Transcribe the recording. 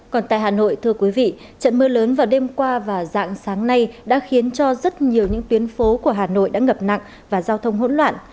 còn tại hà nội thưa quý vị trận mưa lớn vào đêm qua và dạng sáng nay đã khiến cho rất nhiều những tuyến phố của hà nội đã ngập nặng và giao thông hỗn loạn